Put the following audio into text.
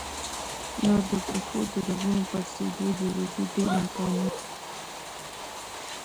نو د پښو د رګونو پړسېدو جوړېدو ډېر امکان وي